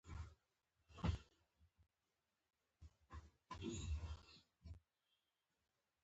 ډوډۍ بې له چکنۍ کورنۍ بې له ښځې بې معنا دي.